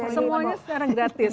semuanya secara gratis